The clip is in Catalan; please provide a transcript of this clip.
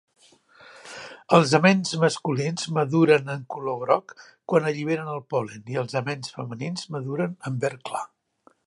Els aments masculins maduren en color groc quan alliberen el pol·len i els aments femenins maduren en verd clar.